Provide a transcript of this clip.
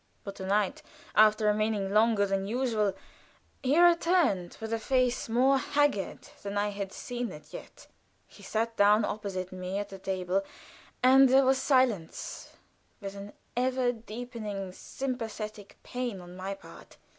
But to night, after remaining longer than usual, he returned with a face more haggard than I had seen it yet. He sat down opposite me at the table, and there was silence, with an ever deepening, sympathetic pain on my part.